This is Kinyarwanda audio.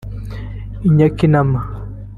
i Nyakinama